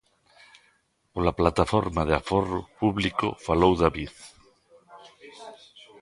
Pola Plataforma de Aforro Público falou David.